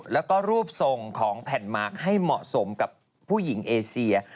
แล้วก็รูปทรงของแผ่นมาร์คให้เหมาะสมกับผู้หญิงเอเซีย